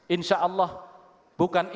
insya allah bukan ini